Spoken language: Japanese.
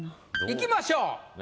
いきましょう。